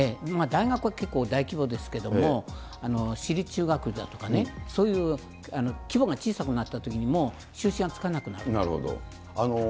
大学は結構大規模ですけれども、私立中学だとかね、そういう規模が小さくなったときに、もう収拾なるほど。